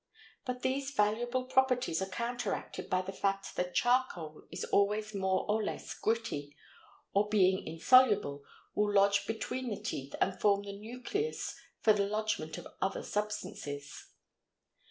But these valuable properties are counteracted by the fact that charcoal is always more or less gritty, or, being insoluble, will lodge between the teeth and form the nucleus for the lodgement of other substances.